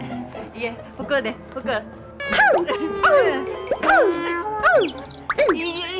iya pukul deh pukul